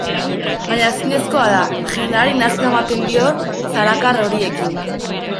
Baina ezinezkoa da, jendeari nazka ematen dio zarakar horiekin.